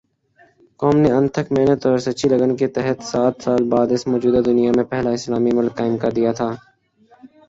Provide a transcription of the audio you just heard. قوم نے انتھک محنت اور سچی لگن کے تحت سات سال بعد اس موجودہ دنیا میں پہلا اسلامی ملک قائم کردیا تھا